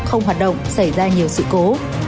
không hoạt động xảy ra nhiều sự cố